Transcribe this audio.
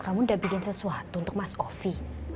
kamu udah bikin sesuatu untuk mas kofi